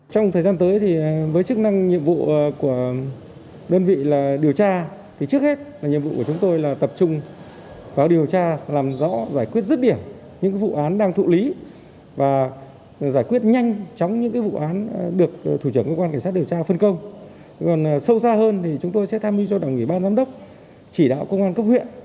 trong thời gian tới thì với chức năng nhiệm vụ của đơn vị là điều tra thì trước hết là nhiệm vụ của chúng tôi là tập trung vào điều tra làm rõ giải quyết rứt biển những vụ án đang thụ lý và giải quyết nhanh chóng những vụ án được thủ trưởng cơ quan cảnh sát điều tra phân công còn sâu xa hơn thì chúng tôi sẽ tham mưu cho đảng ủy ban giám đốc chỉ đạo công an cấp huyện